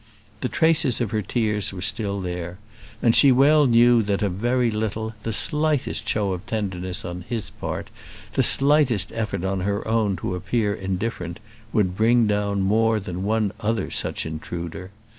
The traces of her tears were still there; and she well knew that a very little, the slightest show of tenderness on his part, the slightest effort on her own to appear indifferent, would bring down more than one other such intruder.